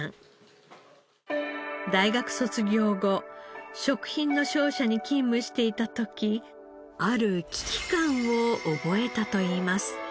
大学卒業後食品の商社に勤務していた時ある危機感を覚えたといいます。